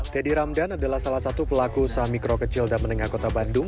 teddy ramdan adalah salah satu pelaku usaha mikro kecil dan menengah kota bandung